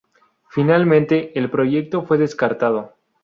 Finalmente el proyecto fue descartado.